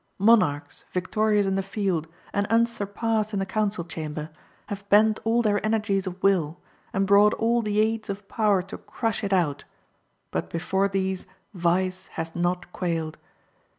Monarchs victorious in the field and unsurpassed in the council chamber have bent all their energies of will, and brought all the aids of power to crush it out, but before these vice has not quailed.